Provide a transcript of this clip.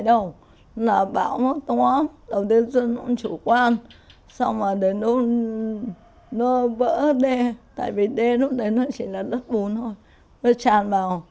tại vì đêm đó nó chỉ là đất vốn thôi nó tràn vào